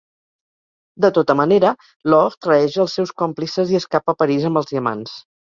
De tota manera, Laure traeix els seus còmplices i escapa a París amb els diamants.